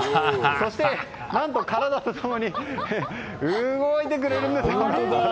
そして、何と体と共に動いてくれるんです！